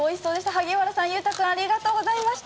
萩原さん、裕太君、ありがとうございました。